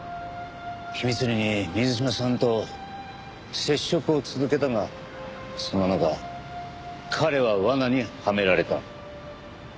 秘密裏に水島さんと接触を続けたがそんな中彼は罠にはめられた。